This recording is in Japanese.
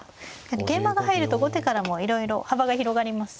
桂馬が入ると後手からもいろいろ幅が広がりますし。